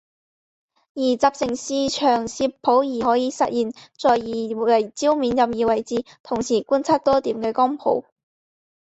而集成视场摄谱仪可以实现在二维焦面任意位置同时观测多点的光谱。